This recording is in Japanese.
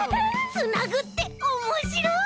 つなぐっておもしろい！